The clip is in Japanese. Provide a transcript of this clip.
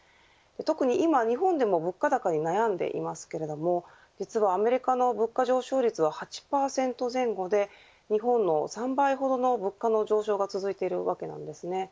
特に今、日本でも物価高に悩んでいますが実は、アメリカの物価上昇率は８％前後で、日本の３倍ほどの物価の上昇が続いています。